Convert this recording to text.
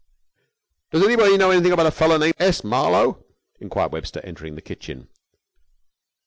"Does anybody know anything about a feller named S. Marlowe?" enquired Webster, entering the kitchen.